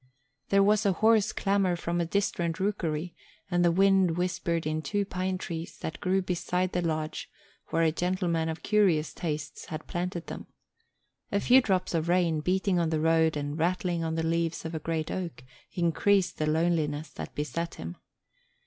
There was a hoarse clamour from a distant rookery, and the wind whispered in two pine trees that grew beside the lodge where a gentleman of curious tastes had planted them. A few drops of rain, beating on the road and rattling on the leaves of a great oak, increased the loneliness that beset him.